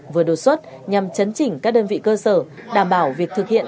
vừa đột xuất nhằm chấn chỉnh các đơn vị cơ sở đảm bảo việc thực hiện